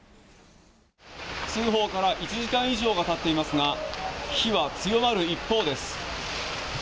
通報から１時間以上が経っていますが、火は強まる一方です。